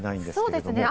そうですね。